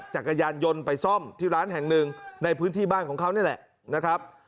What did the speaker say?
จักรยานยนต์ไปซ่อมที่ร้านแห่งหนึ่งในพื้นที่บ้านของเขานี่แหละนะครับ